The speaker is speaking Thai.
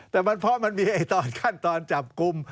แต่เพราะมันมีตอนขั้นตอนจับกลุ่ม